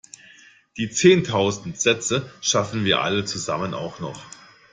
Die zehntausend Sätze schaffen wir alle zusammen auch noch!